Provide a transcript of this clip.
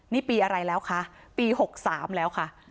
นี่ปีอะไรแล้วคะปี๖๓แล้วค่ะ